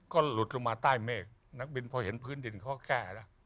ก็หลุดลงมาใต้เมฆนักบินพอเห็นพื้นดินเขาก็แก้นะ